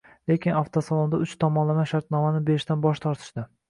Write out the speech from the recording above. lekin avtosalonda uch tomonlama shartnomani berishdan bosh tortishdi.